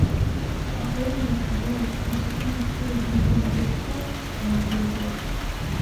Kisiwani Ukerewe Wasukuma pia ni wafanyabiashara na uvuvi